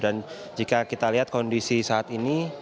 dan jika kita lihat kondisi saat ini